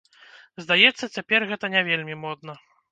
Здаецца, цяпер гэта не вельмі модна.